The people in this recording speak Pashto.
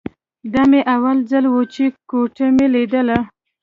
دا مې اول ځل و چې کوټه مې ليدله.